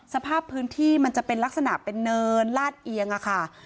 สภาพพื้นที่มันจะเป็นลักษณะเป็นเนินลาดเอียงค่ะ